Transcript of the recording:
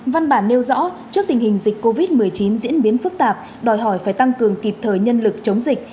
văn bản nêu rõ trước tình hình dịch covid một mươi chín diễn biến phức tạp đòi hỏi phải tăng cường kịp thời nhân lực chống dịch